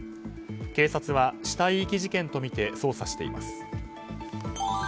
警察は死体遺棄事件とみて捜査しています。